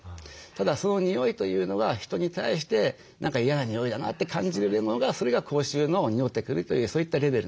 ただその臭いというのが人に対して何か嫌な臭いだなって感じるものがそれが口臭の臭ってくるというそういったレベルなんですね。